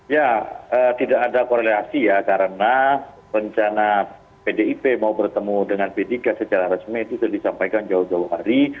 ya tidak ada korelasi ya karena rencana pdip mau bertemu dengan p tiga secara resmi itu sudah disampaikan jauh jauh hari